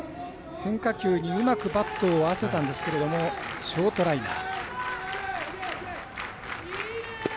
変化球にうまくバットを合わせたんですけどショートライナー。